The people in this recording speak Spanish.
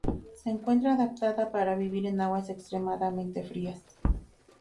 Se encuentra adaptada para vivir en aguas extremadamente frías.